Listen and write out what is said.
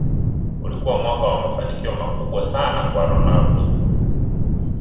ulikuwa mwaka wa mafanikio makubwa sana kwa ronaldo